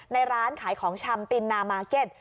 ร้านขายของชำตินนามาร์เก็ต